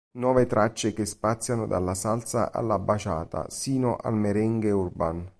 Nove tracce che spaziano dalla salsa alla bachata, sino al merengue urban.